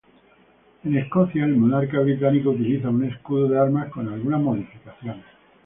En Escocia el monarca británico utiliza un escudo de armas con algunas modificaciones.